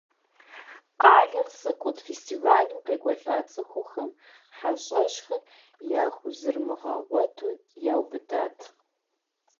Къалэр цӏыкӏут, фестивалым къекӏуэлӏа цӏыхухэм хьэщӏэщхэр яхузэрмыгъэгъуэту яубыдат.